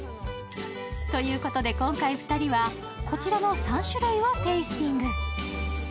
ということで、今回２人はこちらの３種類をテースティング。